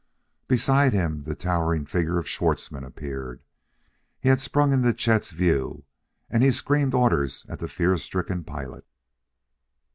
Beside him the towering figure of Schwartzmann appeared; he had sprung into Chet's view, and he screamed orders at the fear stricken pilot.